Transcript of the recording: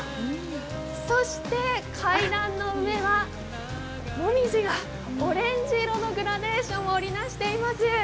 そして階段の上はもみじがオレンジ色のグラデーションを織りなしています。